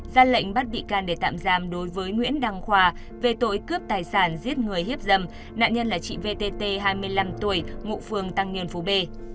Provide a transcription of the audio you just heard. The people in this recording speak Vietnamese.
ra lệnh bắt bị can để tạm giam đối với nguyễn đăng khoa về tội cướp tài sản giết người hiếp dâm nạn nhân là chị vtt hai mươi năm tuổi ngụ phường tăng nhân phú b